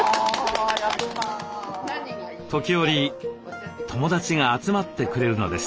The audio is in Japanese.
時折友達が集まってくれるのです。